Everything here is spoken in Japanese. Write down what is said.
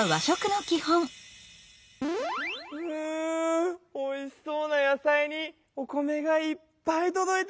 うおいしそうな野菜にお米がいっぱいとどいた！